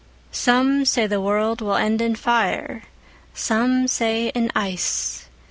SOME say the world will end in fire, Some say in ice.